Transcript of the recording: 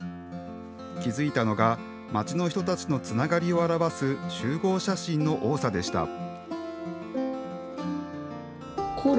気付いたのが街の人たちのつながりを表す集合写真の多さでした。